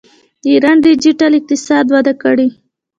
د ایران ډیجیټل اقتصاد وده کړې.